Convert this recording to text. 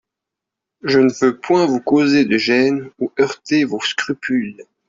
Je ne veux point vous causer de gêne ou heurter vos scrupules.